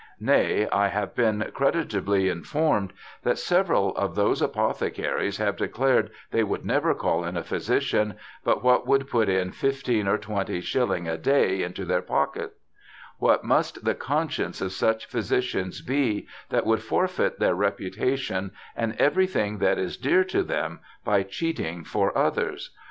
Nay, I have been creditably inform'd that several of those Apothecaries have declared they would never call in a Physician, but what should put in Fifteen or Twenty Shilling a Day into their Pockets : What must the Conscience of such Physicians be, that would forfeit their reputa tion and every thing that is dear to them, by cheating for others?